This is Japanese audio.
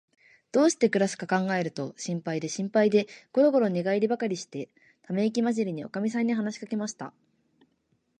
どうしてくらすかかんがえると、心配で心配で、ごろごろ寝がえりばかりして、ためいきまじりに、おかみさんに話しかけました。